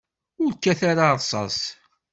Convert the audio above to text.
Ur kkat ara ṛṛṣaṣ!